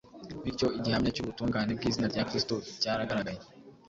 Bityo, igihamya cy’ubutungane bw’izina rya Kristo cyaragaragaye